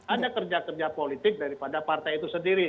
ada kerja kerja politik daripada partai itu sendiri